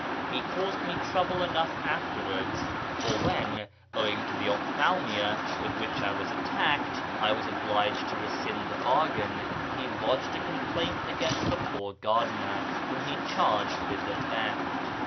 He caused me trouble enough afterwards ; for when, owing to the ophthalmia with which I was attacked, I was obliged to rescind the bargain, he lodged a complaint against the poor gardener, w^hom he charged with the theft.